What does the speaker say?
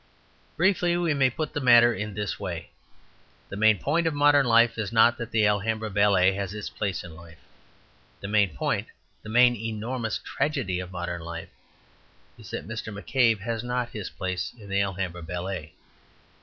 Briefly, we may put the matter in this way. The main point of modern life is not that the Alhambra ballet has its place in life. The main point, the main enormous tragedy of modern life, is that Mr. McCabe has not his place in the Alhambra ballet.